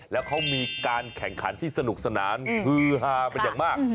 แล้วเขามีการแข่งขันที่สนุกสนานฮือฮาเป็นอย่างมาก